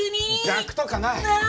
逆とかない！なあ！